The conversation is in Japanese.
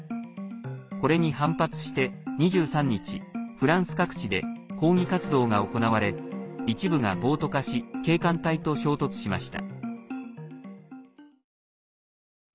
これに反発して２３日フランス各地で抗議活動が行われ一部が暴徒化し警官隊と衝突しました。